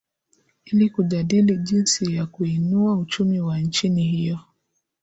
ili kujadili jinsi ya kuinua uchumi wa nchini hiyo